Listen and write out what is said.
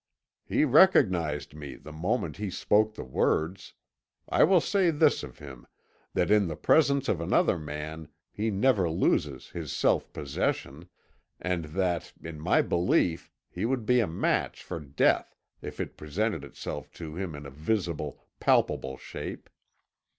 He recognised me the moment he spoke the words I will say this of him, that in the presence of another man he never loses his self possession, and that, in my belief he would be a match for Death, if it presented itself to him in a visible, palpable shape.